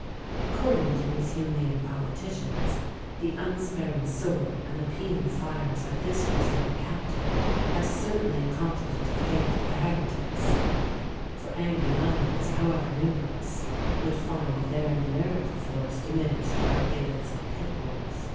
According to these humane politicians, the unsparing sword, and the penal fires of this resolute captain, had certainly accomplished the fate of the heretics; for angry lions, however numerous, would find their numerical force diminished by gibbets and pit holes.